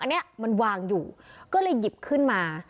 อันนี้มันวางอยู่ก็เลยหยิบขึ้นมา